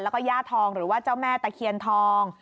แล้วก็ย่าทองหรือว่าเจ้าแม่ตะเคียนทอง